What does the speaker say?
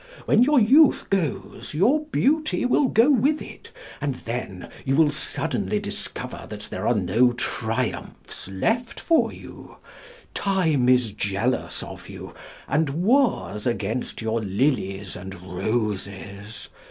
When your youth goes, your beauty will go with it, and then you will suddenly discover that there are no triumphs left for you.... Time is jealous of you, and wars against your lilies and roses.